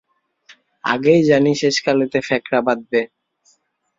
আগেই জানি শেষকালেতে ফ্যাকড়া বাধবে।